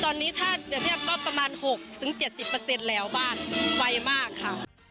ตอนนี้ถ้าเปรียบเทียบก็ประมาณ๖๗๐แล้วบ้านไวมากค่ะ